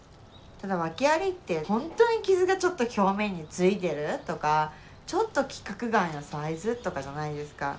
ただワケありってほんとに傷がちょっと表面についてるとかちょっと規格外のサイズとかじゃないですか。